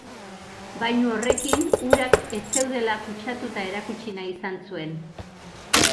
Bainu horrekin, urak ez zeudela kutsatuta erakutsi nahi izan zuen.